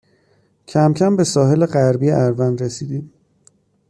کمکم به ساحل غربی اروند رسیدیم